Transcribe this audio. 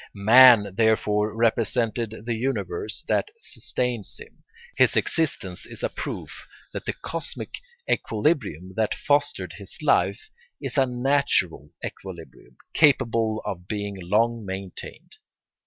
Man therefore represents the universe that sustains him; his existence is a proof that the cosmic equilibrium that fostered his life is a natural equilibrium, capable of being long maintained.